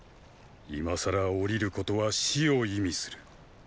今さら降りることは死を意味する。